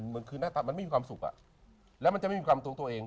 มันไม่มีความสุขอะและมันจะไม่มีความสุขตัวเอง